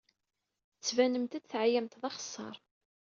Tettbanemt-d teɛyamt d axeṣṣar.